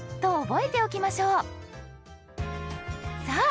さあ